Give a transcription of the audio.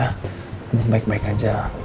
ngomong baik baik aja